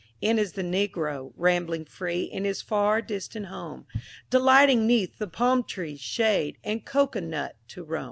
N is the Negro, rambling free In his far distant home, Delighting 'neath the palm trees' shade And cocoa nut to roam.